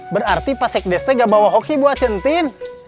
berarti pak sekdes nggak bawa hoki buat centin